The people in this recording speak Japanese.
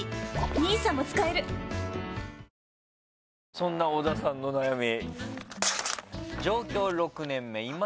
そんな小田さんの悩み。